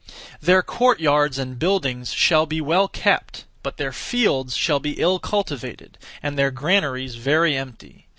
Their court( yards and buildings) shall be well kept, but their fields shall be ill cultivated, and their granaries very empty.